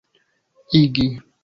igi